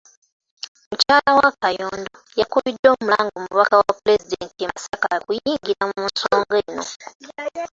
Mukyala wa Kayondo, yakubidde omulanga omubaka wa Pulezidenti e Masaka okuyingira mu nsonga eno.